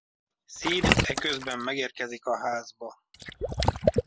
Sid eközben megérkezik a házba.